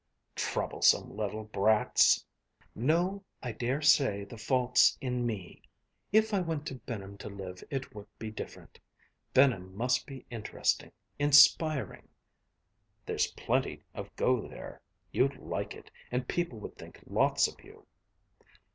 "Troublesome little brats!" "No, I dare say the fault's in me. If I went to Benham to live it would be different. Benham must be interesting inspiring." "There's plenty of go there. You'd like it, and people would think lots of you."